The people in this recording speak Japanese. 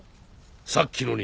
さっきのに。